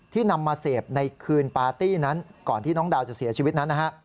นำมาเสพในคืนปาร์ตี้นั้นก่อนที่น้องดาวจะเสียชีวิตนั้นนะฮะ